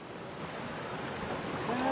あ。